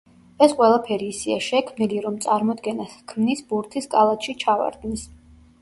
ეს ყველაფერი ისეა შექმნილი, რომ წარმოდგენას ჰქმნის ბურთის კალათში ჩავარდნის.